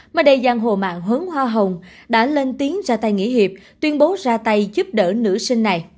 mà đây giang hồ mạng hướng hoa hồng đã lên tiếng ra tay nghỉ hiệp tuyên bố ra tay giúp đỡ nữ sinh này